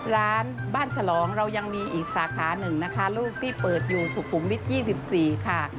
ร้านบ้านฉลองเรายังมีอีกสาขาหนึ่งนะคะลูกที่เปิดอยู่สุขุมวิท๒๔ค่ะ